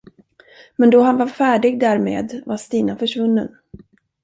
Men då han var färdig därmed, var Stina försvunnen.